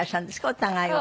お互いは。